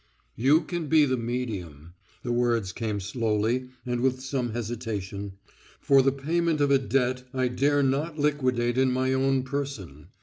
"You can be the medium—" the words came slowly and with some hesitation—"for the payment of a debt I dare not liquidate in my own person.